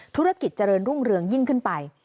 ธุรกิจเจริญรุ่งเรืองยิ่งขึ้นไป